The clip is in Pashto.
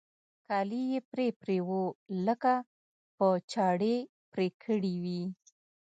كالي يې پرې پرې وو لکه په چړې پرې كړي وي.